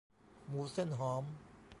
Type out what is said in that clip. หมูเส้นหอม